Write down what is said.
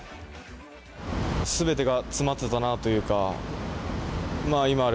すべてが詰まっていたなというか今ある